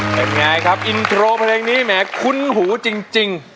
เป็นไงครับอินโทรเพลงนี้แหมคุ้นหูจริง